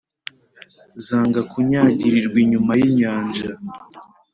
Zanga kunyagirirwa inyuma y'inyanja